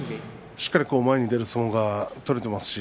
しっかり前に出る相撲ができています。